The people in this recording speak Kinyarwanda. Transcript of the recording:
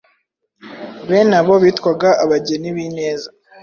Bene abo bitwaga abageni b’ineza.